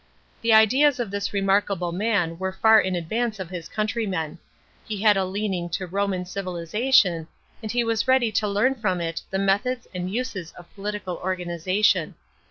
The ideas of this remarkable man were far in advan e of his countrymen. He had a leaning to I toman civilisation, and he was ready to learn from it the methods and uses of political organisation.